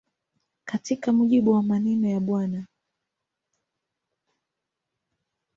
Katika mujibu wa maneno ya Bw.